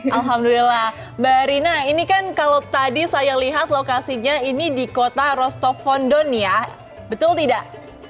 alhamdulillah mbak rina ini kan kalau tadi saya lihat lokasinya ini di kota rostovon don ya betul tidak